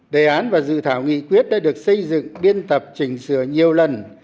đề án và dự thảo nghị quyết đã được xây dựng biên tập trình sửa nhiều lần